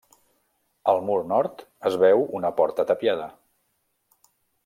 Al mur nord es veu una porta tapiada.